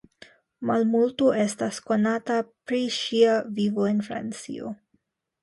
Malmulto estas konata pri ŝia vivo en Francio.